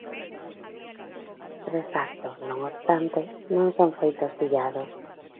Os tres actos, non obstante, non son feitos illados.